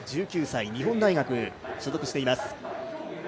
１９歳日本大学に所属しています。